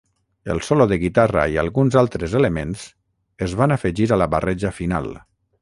El solo de guitarra i alguns altres elements es van afegir a la barreja final.